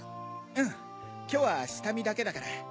うん今日は下見だけだから。